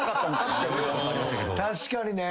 確かにね。